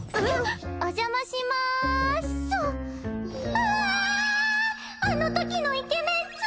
はぁあのときのイケメン２！